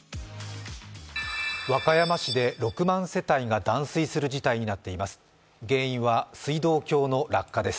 和歌山市で６万世帯が断水する事態になっています。